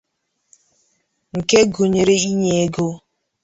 nke gụnyere inye ego